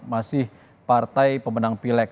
masih partai pemenang pilek